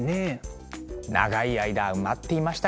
長い間埋まっていましたから。